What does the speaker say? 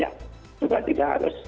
ya juga tidak harus